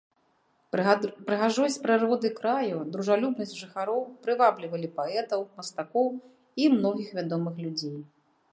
Прыгажосць прыроды краю, дружалюбнасць жыхароў прываблівалі паэтаў, мастакоў і многіх вядомых людзей.